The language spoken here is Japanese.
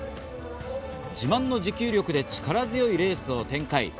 自慢の持久力で力強いレースを展開。